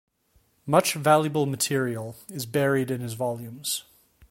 Much valuable material is buried in his volumes.